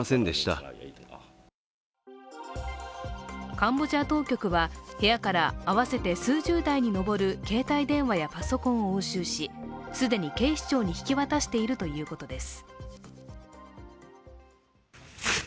カンボジア当局は部屋からあせて数十台に上る携帯電話やパソコンを押収し、既に警視庁に引き渡しているということです。